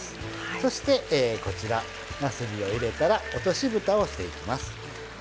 そして、なすびを入れたら落としぶたをしていきます。